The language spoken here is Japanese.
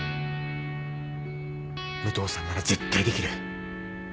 武藤さんなら絶対できる。